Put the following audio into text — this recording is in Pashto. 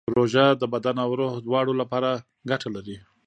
روژه د بدن او روح دواړو لپاره ګټه لري.